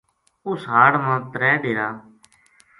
اُس ہاڑ ما ترے ڈیرا